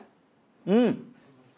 うん！